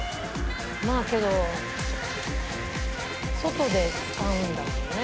まあけど外で使うんだもんね。